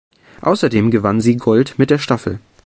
Außerdem gewann sie Gold mit der Staffel.